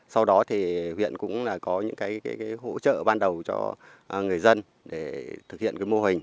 sau đó thì huyện cũng có những hỗ trợ ban đầu cho người dân